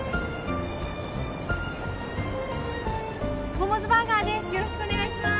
モモズバーガーです